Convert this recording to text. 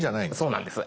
そうなんです。